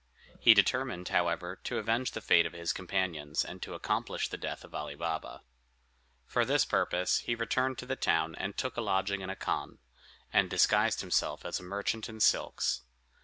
He determined, however, to avenge the fate of his companions, and to accomplish the death of Ali Baba. For this purpose he returned to the town and took a lodging in a khan, and disguised himself as a merchant in silks.